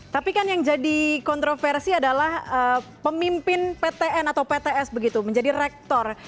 tapi kan yang jadi kontroversi adalah pemimpin ptn atau pts begitu menjadi rektor